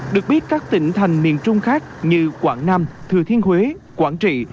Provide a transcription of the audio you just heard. được biết các tỉnh thành miền trung khác như quảng nam thừa thiên huế quảng trị